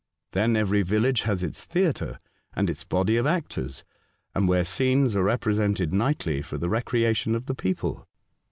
Then every village has its theatre and its body of actors, where scenes are represented nightly for the recreation of the people.